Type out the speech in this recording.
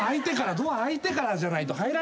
ドア開いてからじゃないと入らない。